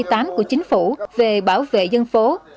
từ năm hai nghìn tám của chính phủ về bảo vệ dân phố